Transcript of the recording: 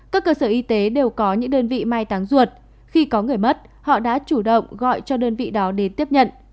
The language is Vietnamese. các cơ sở y tế đều có những đơn vị may táng ruột khi có người mất họ đã chủ động gọi cho đơn vị đó đến tiếp nhận